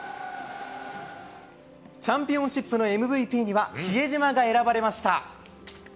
チャンピオンシップのＭＶＰには比江島が選ばれました。